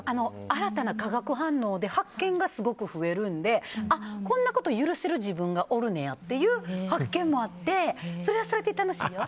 新たな化学反応で発見がすごく増えるんであ、こんなこと許せる自分がおるねやっていう発見もあってそれはそれで楽しいよ。